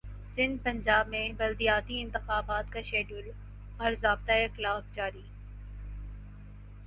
سندھپنجاب میں بلدیاتی انتخابات کاشیڈول اور ضابطہ اخلاق جاری